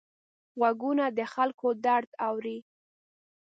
غوږونه د خلکو درد اوري